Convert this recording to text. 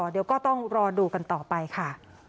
เดี๋ยวก็ต้องรอดูกันต่อไปค่ะ